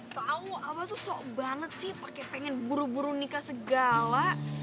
tau awal tuh sok banget sih pakai pengen buru buru nikah segala